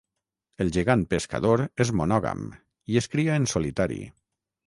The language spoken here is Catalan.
El gegant pescador és monògam i és cria en solitari.